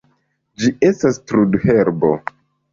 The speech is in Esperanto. Ĝi estas trudherbo.